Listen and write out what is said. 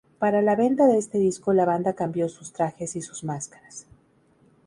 Para la venta de este disco la banda cambió sus trajes y sus máscaras.